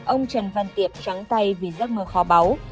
ông trần văn tiệm trắng tay vì giấc mơ kho báu